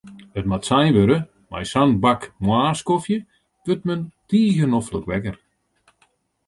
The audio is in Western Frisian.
It moat sein wurde, mei sa'n bak moarnskofje wurdt men tige noflik wekker.